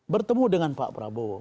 bertemu dengan pak prabowo